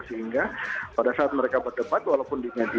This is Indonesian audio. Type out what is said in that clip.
sehingga pada saat ini mereka berdua akan berbicara tentang hal hal negatif